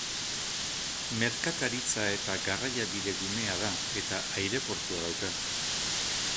Merkataritza- eta garraiabide-gunea da eta aireportua dauka.